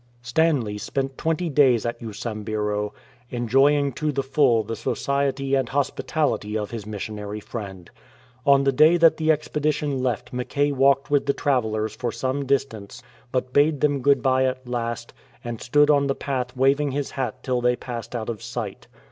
Stanley spent twenty days at Usambiro, enjoying to the full the society and hospitality of his missionary friend. On the day that the expedition left Mackay walked with the travellers for some distance, but bade them good bye at last, and stood on the path waving his hat till they passed out of sight.